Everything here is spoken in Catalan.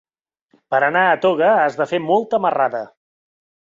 Per anar a Toga has de fer molta marrada.